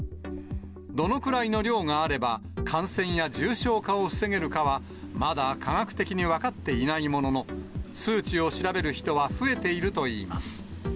どのくらいの量があれば、感染や重症化を防げるかはまだ科学的に分かっていないものの、数値を調べる人は増えているといいます。